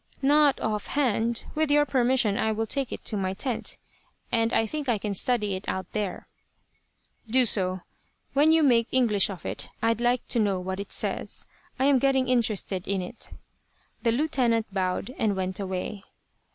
"Not off hand. With your permission I will take it to my tent, and I think I can study it out there." "Do so. When you make English of it I'd like to know what it says. I am getting interested in it" The lieutenant bowed, and went away.